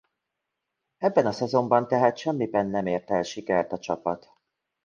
Ebben a szezonban tehát semmiben nem ért el sikert a csapat.